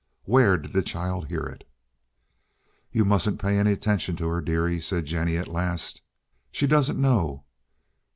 Where did the child hear it? "You mustn't pay any attention to her, dearie," said Jennie at last. "She doesn't know.